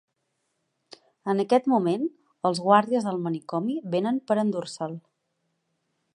En aquest moment, els guàrdies del manicomi venen per endur-se'l.